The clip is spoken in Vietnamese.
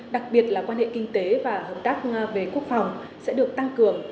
đặc biệt là quan hệ kinh tế và hợp tác về quốc phòng sẽ được tăng cường